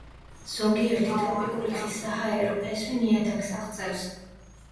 ზოგიერთი ტროპიკული ხის საჰაერო ფესვი ნიადაგს აღწევს.